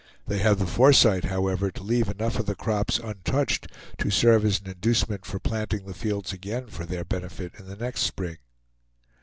They have the foresight, however, to leave enough of the crops untouched to serve as an inducement for planting the fields again for their benefit in the next spring.